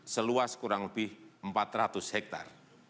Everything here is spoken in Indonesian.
seluas kurang lebih empat ratus hektare